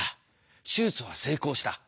手術は成功した。